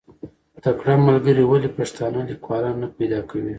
تکړه ملګري ولې پښتانه لیکوالان نه پیدا کوي؟